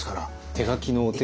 手書きのお手紙？